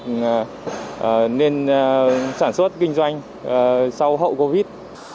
để giúp chúng tôi sản xuất kinh doanh sau hậu covid